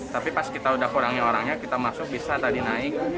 tapi pas kita udah kurangi orangnya kita masuk bisa tadi naik